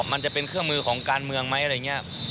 มันจะเป็นเครื่องมือของการเมืองไหมอะไรอย่างนี้